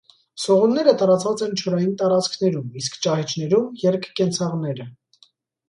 Սողունները տարածված են չորային տարածքներում, իսկ ճահիճներում՝ երկկենցաղները։